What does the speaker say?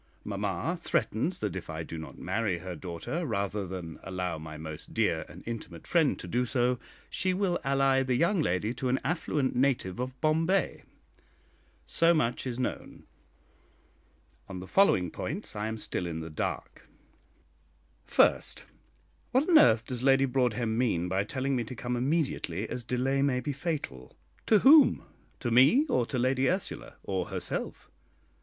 Mamma threatens that if I do not marry her daughter, rather than allow my most dear and intimate friend to do so, she will ally the young lady to an affluent native of Bombay. So much is known. On the following points I am still in the dark: First, What on earth does Lady Broadhem mean by telling me to come immediately, as delay may be fatal? to whom? to me or to Lady Ursula, or herself?